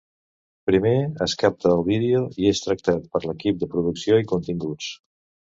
Primer, es capta el vídeo i és tractat per l'equip de producció i continguts.